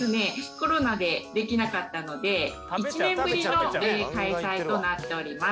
コロナでできなかったので１年ぶりの開催となっております。